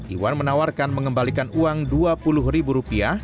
iwan menawarkan mengembalikan uang rp dua puluh